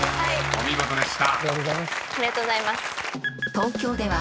［お見事でした］